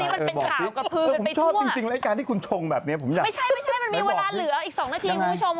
มันมีเวลาเหลืออีก๒นาทีมึงไม่ชมมึงอยากรู้จริง